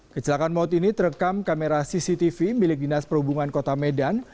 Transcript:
kecelakaan maut ini terekam kamera cctv milik dinas perhubungan kota medan